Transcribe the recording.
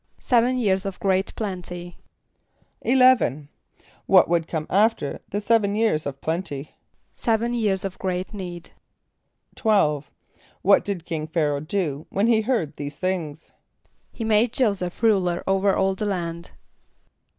=Seven years of great plenty.= =11.= What would come after the seven years of plenty? =Seven years of great need.= =12.= What did King Ph[=a]´ra[=o]h do, when he heard these things? =He made J[=o]´[s+]eph ruler over all the land.